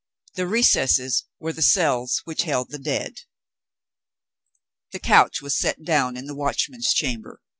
The recesses were the cells which held the dead. The couch was set down in the Watchman's Chamber.